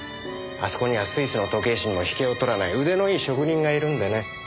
あそこにはスイスの時計師にも引けを取らない腕のいい職人がいるんでね。